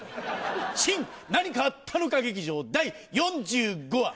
「新何かあったのか劇場第４５話」。